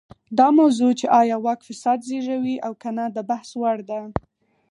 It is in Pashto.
دا موضوع چې ایا واک فساد زېږوي او که نه د بحث وړ ده.